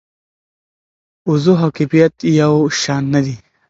وضوح او کیفیت یو شان نه دي.